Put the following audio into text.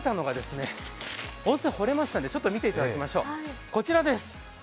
温泉掘れましたんで、見ていただきましょう、こちらです。